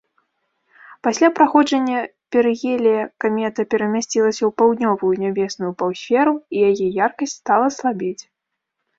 Пасля праходжання перыгелія камета перамясцілася ў паўднёвую нябесную паўсферу, і яе яркасць стала слабець.